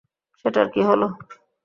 সেটার কী হলো?